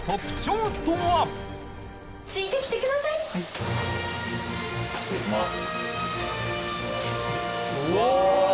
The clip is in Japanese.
失礼します。